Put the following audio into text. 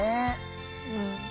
うん。